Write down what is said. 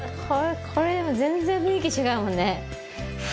これ全然雰囲気違うもんね。